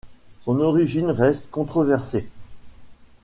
Son origine reste controversée.